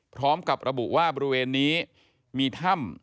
พร้อมกับระบุว่าบริเวณนี้มีถ้ำ